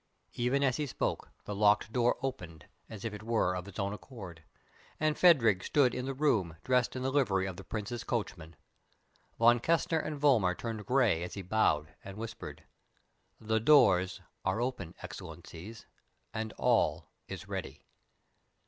Even as he spoke the locked door opened, as it were of its own accord, and Phadrig stood in the room dressed in the livery of the Prince's coachman. Von Kessner and Vollmar turned grey as he bowed, and whispered: "The doors are open, Excellencies, and all is ready!"